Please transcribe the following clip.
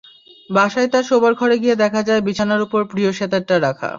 বাসায় তাঁর শোবার ঘরে গিয়ে দেখা যায়, বিছানার ওপর প্রিয় সেতারটা রাখা।